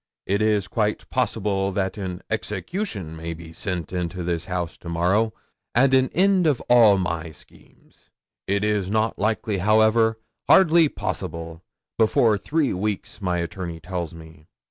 It is quite possible that an execution may be sent into this house to morrow, and an end of all my schemes. It is not likely, however hardly possible before three weeks, my attorney tells me.